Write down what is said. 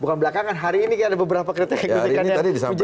bukan belakangan hari ini kan ada beberapa kritik kritikannya